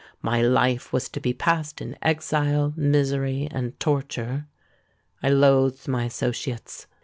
My life was to be passed in exile, misery, and torture. I loathed my associates.